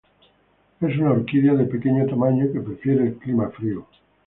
Es una orquídea de pequeño tamaño que prefiere el clima frío.